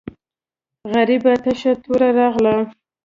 غریبه تشه توره راغله.